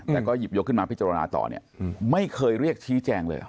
แต่ก็หยิบยกขึ้นมาพิจารณาต่อเนี่ยไม่เคยเรียกชี้แจงเลยเหรอ